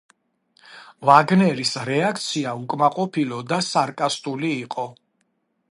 ვაგნერის რეაქცია უკმაყოფილო და სარკასტული იყო.